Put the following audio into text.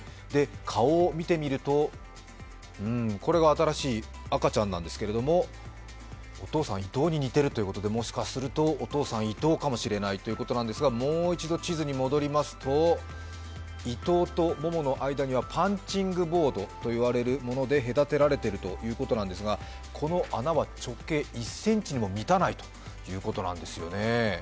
顔を見てみると、これが新しい赤ちゃんなんですけどお父さん、イトウに似てるということでもしかするとお父さん、イトウかもしれないということですがもう一度地図に戻りますとイトウとモモの間にはパンチングボードといわれるもので隔てられてるということですがこの穴は直径１ｃｍにも満たないということなんですよね。